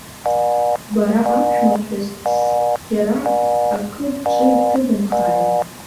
Бара, аԥшәмаԥҳәыс, тсс, џьара акы бҿы иҭыбымхааит.